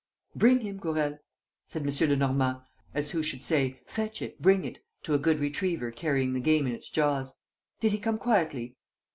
"Bring him, Gourel!" said M. Lenormand, as who should say, "Fetch it! Bring it!" to a good retriever carrying the game in its jaws. "Did he come quietly?"